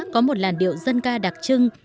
có một làn điệu dân ca đặc trưng